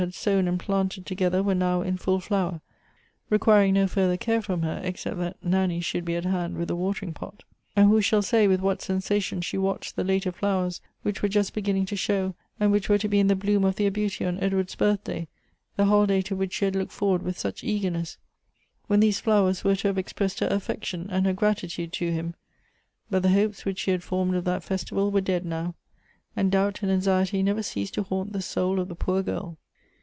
nd sown and planted together were now in full flower, requiring no further care from her, except tliat Nanny should be at hand with the watering pot ; and who shall say with what sensations she watched the later flowers, which were just beginning to show, and which were to be in the bloom of their beauty on Edward's birthday, the holiday to which she had looked forward with such eagerness, when these flowers were to have expressed her affection and her gratitude to him! — but the hopes which she had formed of that festival were dead now, and doubt and anxiety never ceased to haunt the soul of the poor girl.